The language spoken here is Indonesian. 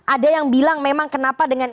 ada yang bilang memang kenapa dengan